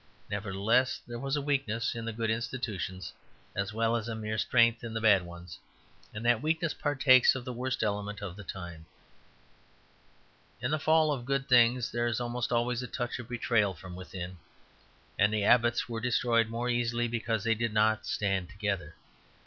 Nevertheless, there was a weakness in the good institutions as well as a mere strength in the bad ones; and that weakness partakes of the worst element of the time. In the fall of good things there is almost always a touch of betrayal from within; and the abbots were destroyed more easily because they did not stand together.